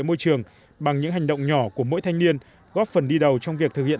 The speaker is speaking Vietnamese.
môi trường bằng những hành động nhỏ của mỗi thanh niên góp phần đi đầu trong việc thực hiện